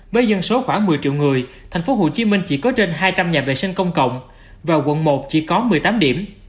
với dân số khoảng một mươi triệu người tp hcm chỉ có trên hai trăm linh nhà vệ sinh công cộng và quận một chỉ có một mươi tám điểm